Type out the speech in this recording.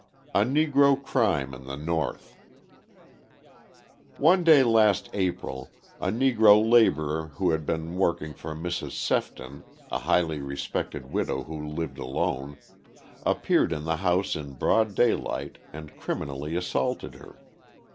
A Negro Crime in the North One day last April a Negro labourer who had been working for Mrs. Sefton, a highly respected widow who lived alone, appeared in the house in broad daylight and criminally assaulted her.